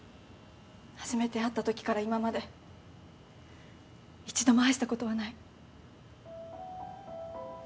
初めて会ったときから今まで一度も愛したことはない。